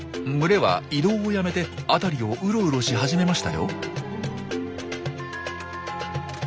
群れは移動をやめて辺りをウロウロし始めましたよ。